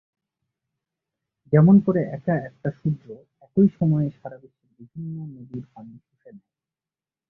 যেমন করে একা একটা সূর্য একই সময়ে সারা বিশ্বের বিভিন্ন নদীর পানি শুষে নেয়।